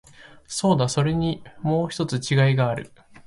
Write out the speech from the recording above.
そうだ、それにもう一つ違いがある。